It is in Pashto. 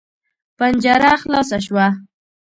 پنجره خلاصه شوه.